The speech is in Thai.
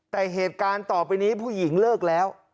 แต่เหตุการณ์ต่อไปนี้ผู้หญิงเลิกแล้ว